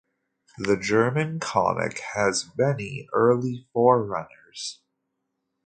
The German comic has many early forerunners.